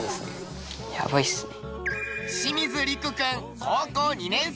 清水陸君高校２年生。